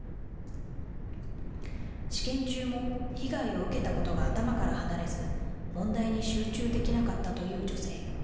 試験中も被害を受けたことが頭から離れず、問題に集中できなかったという女性。